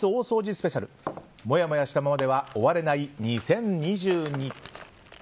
スペシャルもやもやしたままでは終われない２０２２。